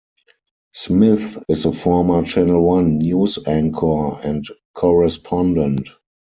Smith is a former Channel One News anchor and correspondent.